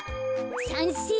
さんせい！